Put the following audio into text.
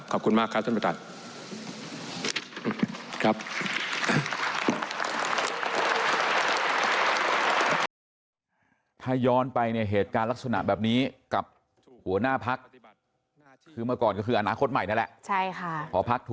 ขอบคุณมากครับท่านประธาน